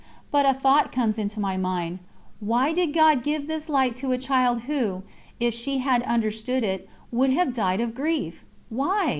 But a thought comes into my mind: "Why did God give this light to a child who, if she had understood it, would have died of grief?" "Why?"